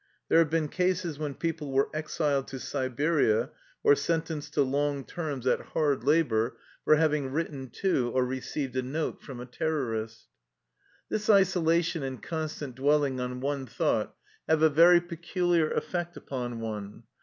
There have been cases when people were exiled to Siberia or sentenced to long terms at hard 126 THE LIFE STORY OF A RUSSIAN EXILE labor for having written to or received a note from a terrorist. This isolation and constant dwelling on one thought have a very peculiar effect upon one.